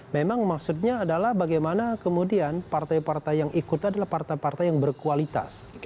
memang maksudnya adalah bagaimana kemudian partai partai yang ikut adalah partai partai yang berkualitas